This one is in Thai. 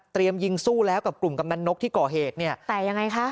ยิงสู้แล้วกับกลุ่มกำนันนกที่ก่อเหตุเนี่ยแต่ยังไงคะ